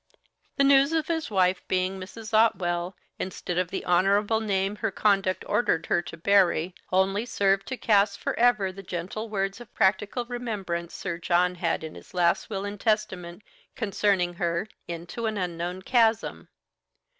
The news of his wife being Mrs. Otwell, instead of the honourable name her conduct ordered her to bury, only served to cast for ever the gentle words of practical remembrance Sir John had in his last will and testament concerning her into an unknown chasm.